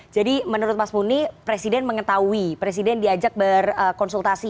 jadi menurut mas muni presiden mengetahui presiden diajak berkonsultasi